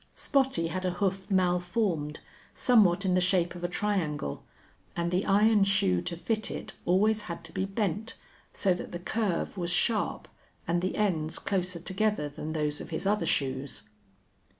Spottie had a hoof malformed, somewhat in the shape of a triangle, and the iron shoe to fit it always had to be bent, so that the curve was sharp and the ends closer together than those of his other shoes.